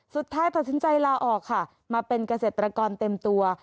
สุดท้ายตัดสินใจลาออกค่ะมาเป็นเกษตรกรเต็มตัว